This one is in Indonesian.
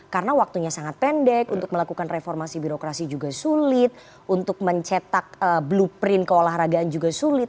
karena waktunya sangat pendek untuk melakukan reformasi birokrasi juga sulit untuk mencetak blueprint keolahragaan juga sulit